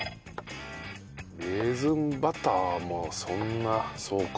レーズンバターもそんなそうか。